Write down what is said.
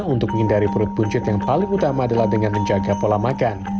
untuk menghindari perut buncit yang paling utama adalah dengan menjaga pola makan